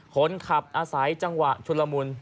คนขับอาศัยจังหวะชุนละมุน